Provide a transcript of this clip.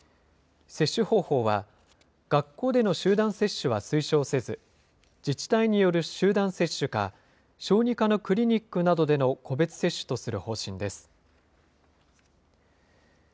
接種方法は、学校での集団接種は推奨せず、自治体による集団接種か、小児科のクリニックなどでの個別接種と